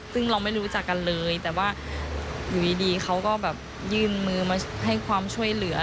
ซึ่งเราไม่รู้จักกันเลยแต่ว่าอยู่ดีเขาก็แบบยื่นมือมาให้ความช่วยเหลือ